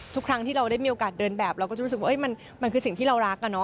ทุกครั้งที่เราได้มีโอกาสเดินแบบเราก็จะรู้สึกว่ามันคือสิ่งที่เรารัก